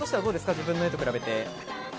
自分の絵と比べて。